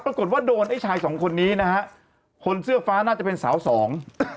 ปรากฏว่าโดนไอ้ชายสองคนนี้นะฮะคนเสื้อฟ้าน่าจะเป็นสาวสอง